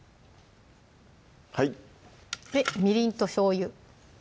はいでみりんとしょうゆ